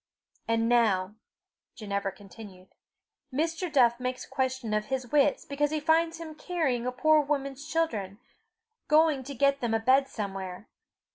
"And now," Ginevra continued, "Mr. Duff makes question of his wits because he finds him carrying a poor woman's children, going to get them a bed somewhere!